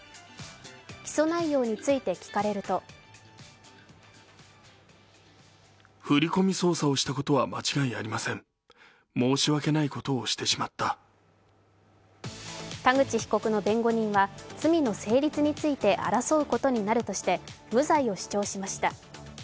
起訴内容について聞かれると田口被告の弁護人は罪の成立について争うことになるとして無罪を主張しました。